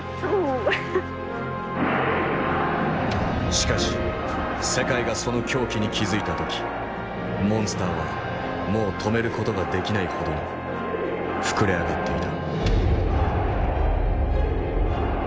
しかし世界がその狂気に気付いた時モンスターはもう止める事ができないほどに膨れ上がっていた。